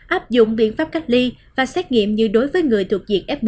áp dụng biện pháp cách ly và xét nghiệm như đối với người thuộc diện f một